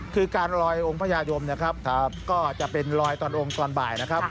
คือการลอยองค์พญายมเนี่ยครับก็จะเป็นลอยตอนองค์ตอนบ่ายนะครับ